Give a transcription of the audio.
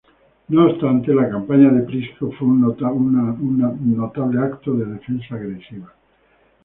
No obstante, la campaña de Prisco fue un notable acto de defensa agresiva.